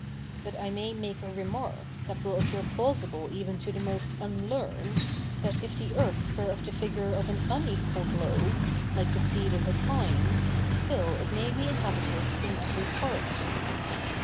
But I may make a remark, that will appear plausible even to the most unlearned, that if the earth were of the figure of an unequal globe, like the seed of a pine, still it may be inhabited in every part.